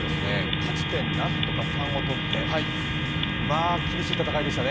勝ち点、何とか３を取って、厳しい戦いでしたね。